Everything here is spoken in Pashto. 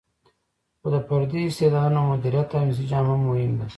خو د فردي استعدادونو مدیریت او انسجام هم مهم دی.